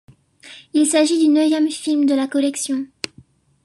Il s'agit du neuvième film de la collection '.